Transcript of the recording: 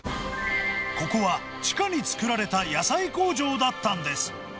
ここは、地下に作られた野菜工場だったんです。